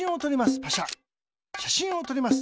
しゃしんをとります。